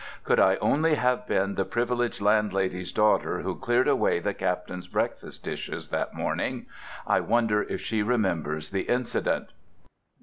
Could I only have been the privileged landlady's daughter who cleared away the Captain's breakfast dishes that morning! I wonder if she remembers the incident?